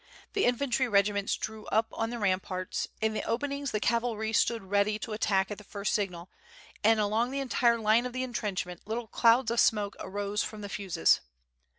The infantry regiments drew up on the ramparts, in the openings the cavalry stood ready to attack at the first signal, and along the entire line of the intrenchment little clouds of smoke arose from the fuses.